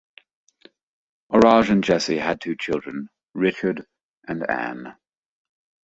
Orage and Jessie had two children, Richard and Ann.